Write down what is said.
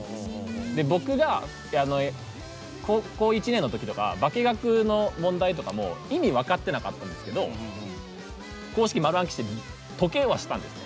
僕が高校１年のとき化け学の問題とか意味分かってなかったんですけど公式丸暗記して解けはしたんです。